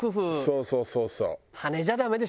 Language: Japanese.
そうそうそうそう。